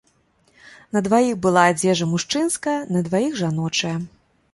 На дваіх была адзежа мужчынская, на дваіх жаночая.